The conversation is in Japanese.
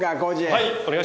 はい。